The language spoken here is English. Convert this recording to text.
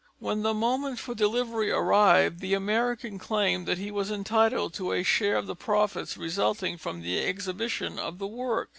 When the moment for delivery arrived, the American claimed that he was entitled to a share of the profits resulting from the exhibition of the work.